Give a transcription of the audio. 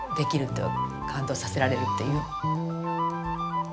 感動させられるという。